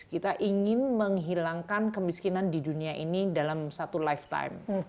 kita ingin menghilangkan kemiskinan di dunia ini dalam satu lifetime